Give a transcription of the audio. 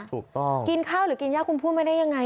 ถูกต้องกินข้าวหรือกินยากคุณพูดไม่ได้ยังไง